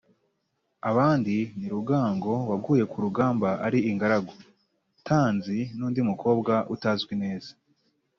Abandi ni Rugango waguye ku rugamba ari ingaragu, Tanzi, n’ undi mukobwa utazwi neza.